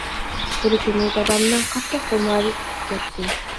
بىر كۈنى دادامنىڭ قاتتىق خۇمارى تۇتۇپ كەتتى.